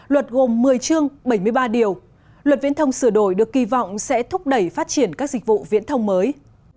luật gồm một mươi chương bảy mươi ba điều luật viễn thông sửa đổi được kỳ vọng sẽ thúc đẩy phát triển các dịch vụ viễn thông mới